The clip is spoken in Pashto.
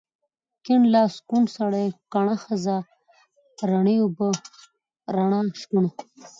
کيڼ لاس، کوڼ سړی، کڼه ښځه، رڼې اوبه، رڼا، شکوڼ